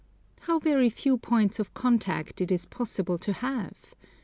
How very few points of contact it is possible to have!